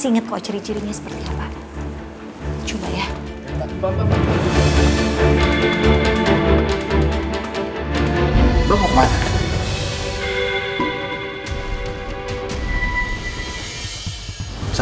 untuk segera mempertemukan bening dengan khanesa